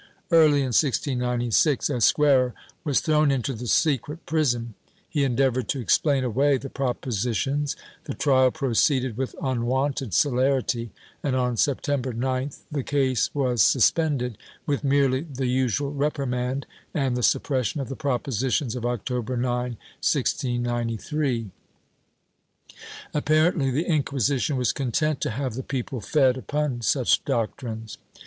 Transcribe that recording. Early in 1696 Esquerrer was thrown into the secret prison ; he endeavored to explain away the propositions ; the trial proceeded with unwonted celerity and, on September 9th, the case was suspended with merely the usual reprimand and the suppres sion of the propositions of October 9, 1693.' Apparently the Inquisition was content to have the people fed upon such doctrines.